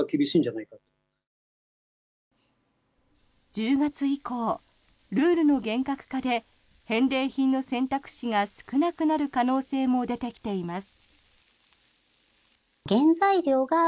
１０月以降、ルールの厳格化で返礼品の選択肢が少なくなる可能性も出てきています。